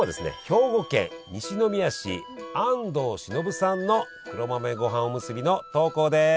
兵庫県西宮市安藤忍さんの黒豆ごはんおむすびの投稿です。